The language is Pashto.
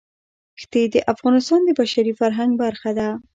ښتې د افغانستان د بشري فرهنګ برخه ده.